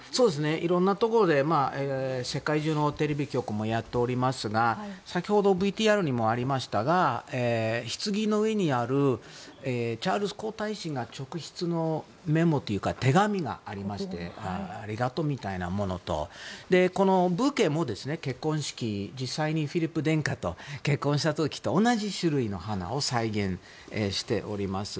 色んなところで世界中のテレビ局もやっていますが先ほど、ＶＴＲにもありましたがひつぎの上にあるチャールズ皇太子が直筆のメモというか手紙がありましてありがとうみたいなものとこのブーケも結婚式実際にフィリップ殿下と結婚した時と同じ種類の花を再現しております。